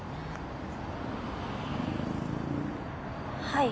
はい。